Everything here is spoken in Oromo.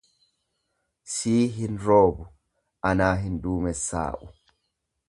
"""Sii hin roobu, anaa hin duumessaa'u."""